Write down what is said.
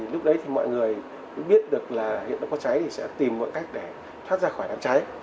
lúc đấy thì mọi người biết được là hiện đó có cháy thì sẽ tìm một cách để thoát ra khỏi đám cháy